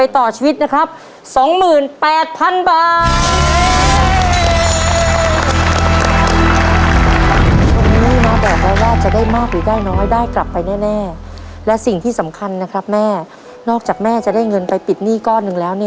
ถ้ากล่องโมนัสหมุนมาอยุ่งอยู่ที่เกมต่อชีวิตอีกสองกล่อง